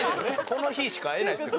この日しか会えないですね